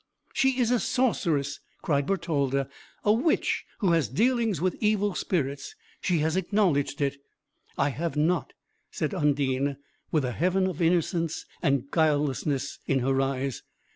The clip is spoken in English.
"She is a sorceress," cried Bertalda, "a witch who has dealings with evil spirits! she has acknowledged it." "I have not," said Undine, with a heaven of innocence and guilelessness in her eyes.